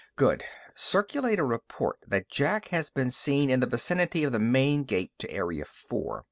"Good. Circulate a report that Jack has been seen in the vicinity of the main gate to Area Four.